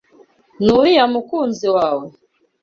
Nuriya mukunzi wawe?